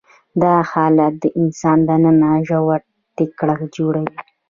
دا حالت د انسان دننه ژور ټکر جوړوي.